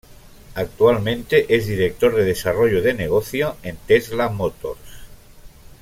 Actualmente es Director de Desarrollo de Negocio en Tesla Motors.